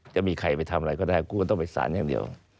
จะมีใครไปทำอะไรก็ได้กูก็ต้องไปสารอย่างเดียว